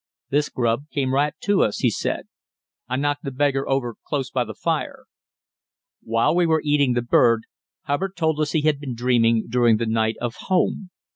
"This grub came right to us," he said; "I knocked the beggar over close by the fire." While we were eating the bird, Hubbard told us he had been dreaming during the night of home.